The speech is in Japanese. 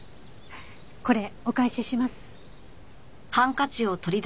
これお返しします。